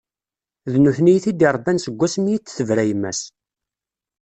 D nutni i t-id-irebban seg wasmi i d-tebra yemma-s.